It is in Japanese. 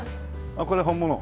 これ本物？